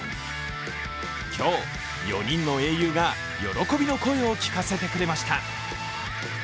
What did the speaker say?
今日、４人の英雄が喜びの声を聞かせてくれました。